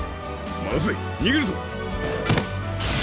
まずいにげるぞ！